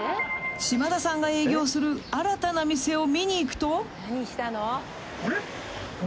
［嶋田さんが営業する新たな店を見に行くと］